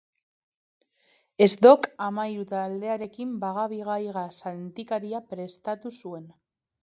Ez Dok Amairu taldearekin Baga-Biga-Higa sentikaria prestatu zuen